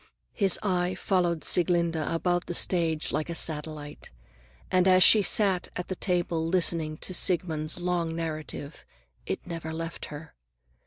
His eye followed Sieglinde about the stage like a satellite, and as she sat at the table listening to Siegmund's long narrative, it never left her.